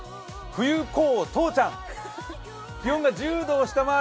冬コー１０ちゃん。